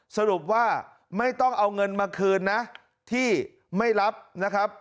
สรุปว่าไม่ต้องเอาเงินมาคืนนะที่ไม่รับนะครับ